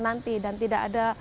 nanti dan tidak ada